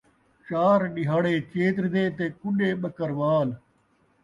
چار ݙیہاڑے چیتر دے تے کُݙے ٻکروال